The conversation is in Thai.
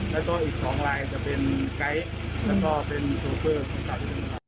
แล้วก็อีก๒ลายจะเป็นไกท์แล้วก็เป็นโทรเฟอร์